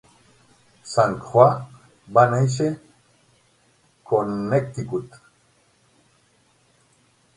Saint Croix va néixer Connecticut.